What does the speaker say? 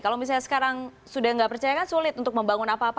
kalau misalnya sekarang sudah nggak percaya kan sulit untuk membangun apa apa